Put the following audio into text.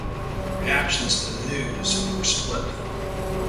Reactions to the news were split.